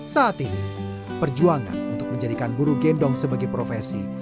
sehingga kemungkinan untuk menjadikan buru gendong sebagai profesi